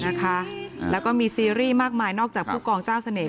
นะคะแล้วก็มีซีรีส์มากมายนอกจากผู้กองเจ้าเสน่ห